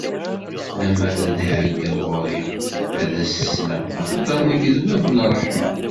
Lemmer ad d-iɛeggeḍ ɣur-i, ad s-d-sleɣ, axaṭer nekk d bab n ṛṛeḥma.